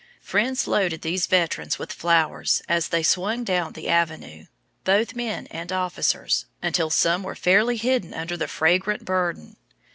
Friends loaded these veterans with flowers as they swung down the Avenue, both men and officers, until some were fairly hidden under their fragrant burden.